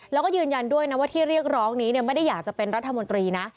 แล้วก็ยืนยันด้วยนะว่าที่เรียกร้องนี้ไม่ได้อยากจะเป็นรัฐมนตรีนะ